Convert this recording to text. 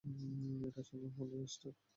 এটা আসলেই holy Easter!